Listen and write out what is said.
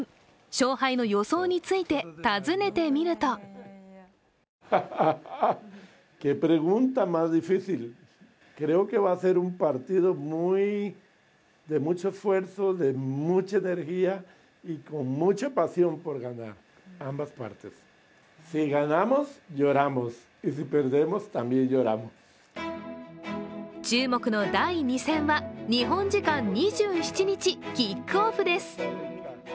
勝敗の予想について尋ねてみると注目の第２戦は日本時間２７日、キックオフです。